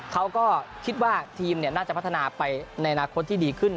เขาก็คิดว่าทีมน่าจะพัฒนาไปในอนาคตที่ดีขึ้น